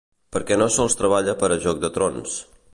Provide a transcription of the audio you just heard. Perquè no sols treballa per a ‘Joc de trons’.